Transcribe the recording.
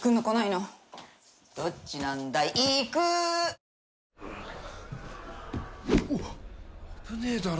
新発売うわっ危ねえだろ。